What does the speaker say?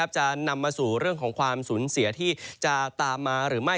จะนำมาสู่เรื่องของความสูญเสียที่จะตามมาหรือไม่